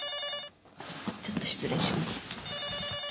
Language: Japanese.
☎ちょっと失礼します。